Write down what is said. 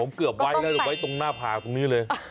ผมเกือบไว้แล้วไว้ตรงหน้าผากตรงนี้เลย